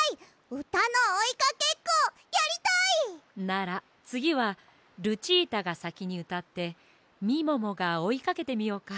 うたのおいかけっこやりたい！ならつぎはルチータがさきにうたってみももがおいかけてみようか。